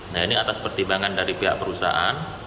nah ini atas pertimbangan dari pihak perusahaan